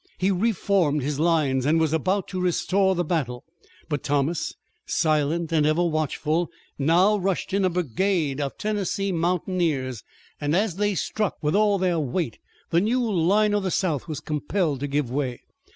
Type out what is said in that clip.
He reformed his lines and was about to restore the battle, but Thomas, silent and ever watchful, now rushed in a brigade of Tennessee mountaineers, and as they struck with all their weight, the new line of the South was compelled to give way.